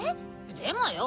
でもよ